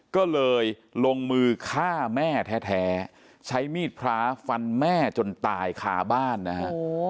ก็เลยลงมือฆ่าแม่แท้ใช้มีดพระฟันแม่จนตายคาบ้านนะฮะ